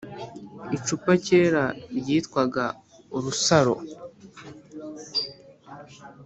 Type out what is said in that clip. Icupa kera ryitwaga urusaro